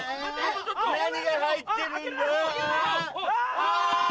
何が入ってるんだ？